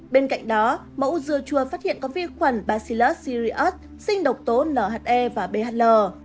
bên cạnh đó mẫu dưa chua phát hiện có vi khuẩn bacillus sirius sinh độc tố nhe và bhl